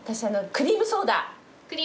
クリームソーダ。